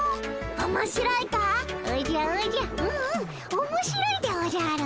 おもしろいでおじゃる。